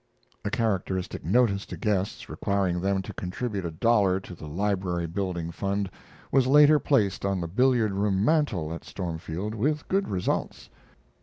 [A characteristic notice to guests requiring them to contribute a dollar to the Library Building Fund was later placed on the billiard room mantel at Stormfield with good results.